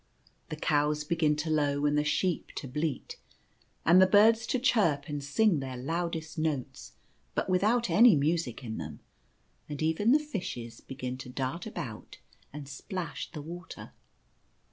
The cows begin to low and the sheep to bleat, and the birds to chirp and sing their loudest notes, but without any music in them ; and even the fishes begin to dart about and splash the water.